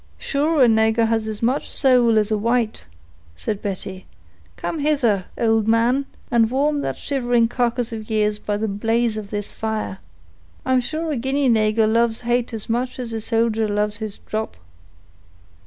"Sure a nagur has as much sowl as a white," said Betty. "Come hither, ould man, and warm that shivering carcass of yeers by the blaze of this fire. I'm sure a Guinea nagur loves hate as much as a soldier loves his drop."